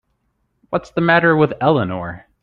What's the matter with Eleanor?